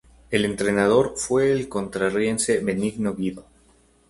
El entrenador fue el costarricense Benigno Guido.